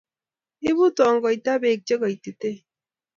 Ibuu tongoita beek che koitien